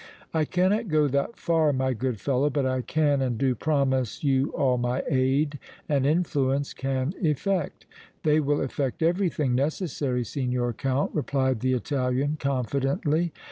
"I cannot go that far, my good fellow, but I can and do promise you all my aid and influence can effect." "They will effect everything necessary, Signor Count," replied the Italian, confidently.